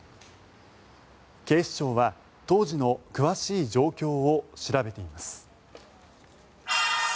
警視庁は当時の詳しい状況を調べています。